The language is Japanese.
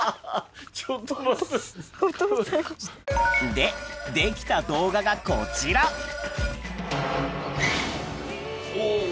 でできた動画がこちらおぉ。